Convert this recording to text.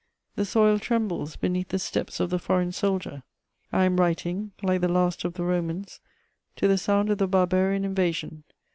The soil trembles beneath the steps of the foreign soldier: I am writing, like the last of the Romans, to the sound of the Barbarian invasion.